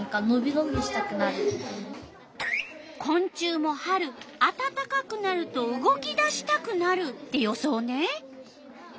こん虫も春あたたかくなると動き出したくなるって予想ね。